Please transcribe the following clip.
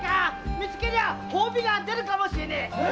見つけりゃ褒美が出るかもしれない。